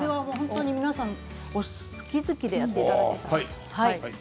皆さん好き好きでやっていただきたい。